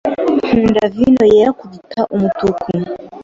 Nkunda vino yera kuruta umutuku.